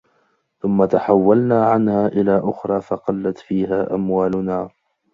ثُمَّ تَحَوَّلْنَا عَنْهَا إلَى أُخْرَى فَقَلَّتْ فِيهَا أَمْوَالُنَا